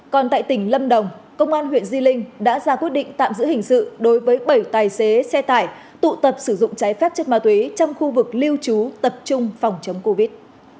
còn tại tỉnh lâm đồng công an huyện di linh đã ra quyết định tạm giữ hình sự đối với bảy tài xế xe tải tụ tập sử dụng trái phép chất ma túy trong khu vực lưu trú tập trung phòng chống covid